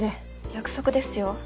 約束ですよ。